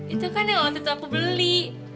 itu kan yang waktu itu aku beli